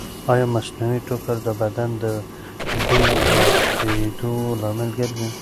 ایا مصنوعي ټوکر د بدن د بوی زیاتېدو لامل ګرځي؟